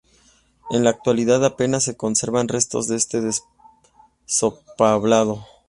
En la actualidad, apenas se conservan restos de este despoblado.